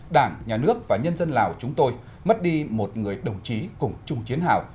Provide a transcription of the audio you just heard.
đảng nhà nước và nhân dân lào chúng tôi mất đi một người đồng chí cùng chung chiến hào